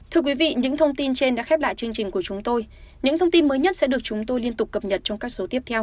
thưa quý vị những thông tin trên đã khép lại chương trình của chúng tôi